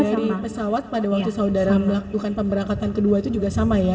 dari pesawat pada waktu saudara melakukan pemberangkatan kedua itu juga sama ya